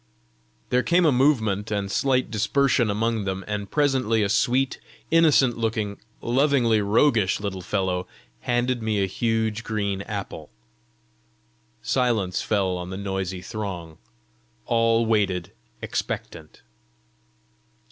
There came a movement and slight dispersion among them, and presently a sweet, innocent looking, lovingly roguish little fellow handed me a huge green apple. Silence fell on the noisy throng; all waited expectant.